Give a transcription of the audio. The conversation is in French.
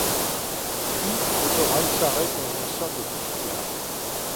Puis, l'autorail s'arrête dans une sorte de petite gare.